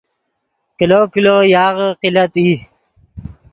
کلو کلو یاغے قلت ای